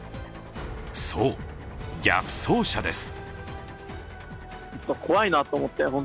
そう、逆走車です。